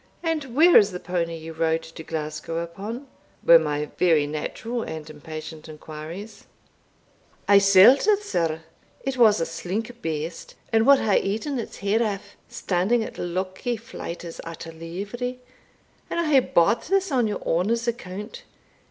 and where is the pony you rode to Glasgow upon?" were my very natural and impatient inquiries. "I sell't it, sir. It was a slink beast, and wad hae eaten its head aff, standing at Luckie Flyter's at livery. And I hae bought this on your honour's account.